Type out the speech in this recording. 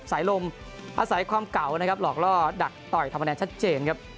สายลมอาศัยความเก่านะครับหลอกล่อดักต่อยทำคะแนนชัดเจนครับ